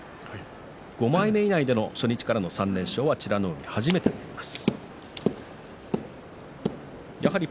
５枚目以内での初日からの３連勝は美ノ海、初めてです。